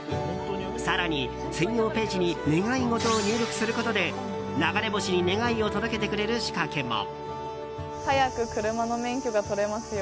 更に、専用ページに願い事を入力することで流れ星に願いを届けてくれる仕掛けも。